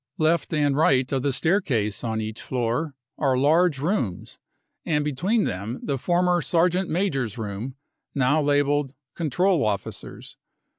s< Left and right of the staircase on each floor are large rooms, and between them the former sergeant major's room, now labelled 6 control officers.